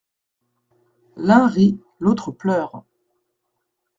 L’un rit, l’autre pleure.